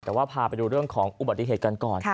แต่ว่าพาไปดูเรื่องของอุบัติเหตุกันก่อน